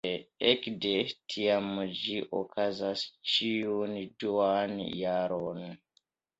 Ekde tiam ĝi okazas ĉiun duan jaron.